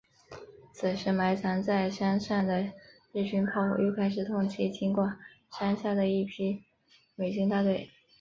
此时埋藏在山上的日军炮火又开始痛击经过山下的一批美军大队。